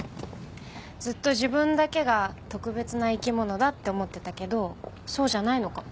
ずっと自分だけが特別な生き物だって思ってたけどそうじゃないのかも。